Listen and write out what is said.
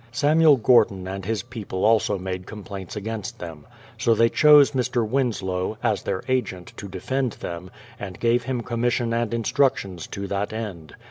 Samuel Gorton and his people also made complaints against them. So they chose Mr. Winslow, as their agent, to defend them, and gave him commission and instructions to that end.